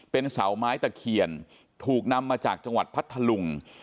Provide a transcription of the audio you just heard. เป็นเสาไม้ตะเคียนถูกนำมาจากจังหวัดพัทธลุง